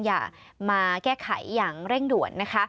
อย่ามาแก้ไขอย่างเร่งด่วนนะคะ